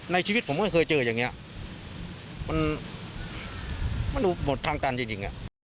ในชีวิตผมไม่เคยเจออย่างเงี้ยมันมันดูหมดทางจานจริงจริงอ่ะ